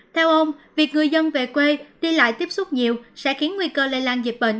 theo ông việc người dân về quê đi lại tiếp xúc nhiều sẽ khiến nguy cơ lây lan dịch bệnh